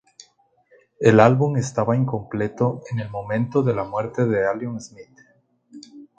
El álbum estaba incompleto en el momento de la muerte de Elliott Smith.